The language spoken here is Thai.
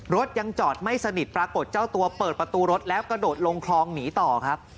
รถยังจอดไม่สนิทปรากฏเจ้าตัวเปิดประตูรถแล้วกระโดดลงคลองหนีต่อครับ